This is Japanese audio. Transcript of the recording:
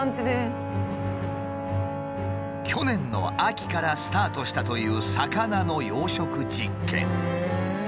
去年の秋からスタートしたという魚の養殖実験。